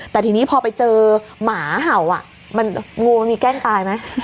แต่ทีนี้พอไปเจอหมาเห่างูมันมีแกล้งตายไหม